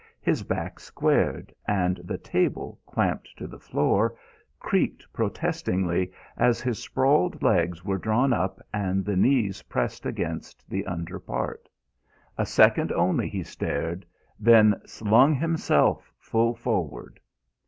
His back squared, and the table, clamped to the floor, creaked protestingly as his sprawled legs were drawn up and the knees pressed against the under part. A second only he stared, then slung himself full forward.